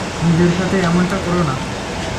নিজের সাথে এমনটা কোরো না।